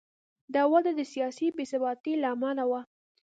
دا وده د سیاسي بې ثباتۍ له امله و.